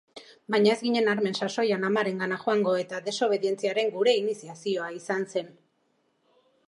Baina ez ginen armen sasoian amarengana joango eta desobedientziaren gure iniziazioa izan zen.